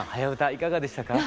いかがでしたか？